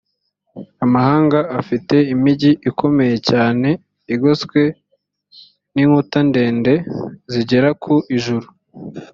amahanga afite imigi ikomeye cyane igoswe n’inkuta ndende zigera ku ijuru